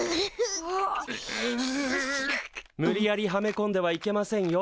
無理やりはめこんではいけませんよ。